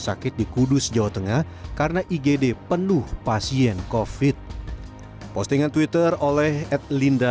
sakit di kudus jawa tengah karena igd penuh pasien kofit postingan twitter oleh at linda